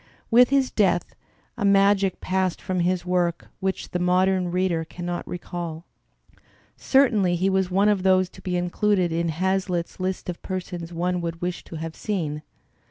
With his death a magic passed from his work which the modem reader cannot recall. Certainly he was one of those to be included in Hazlitt's list of persons one would wish to have seen.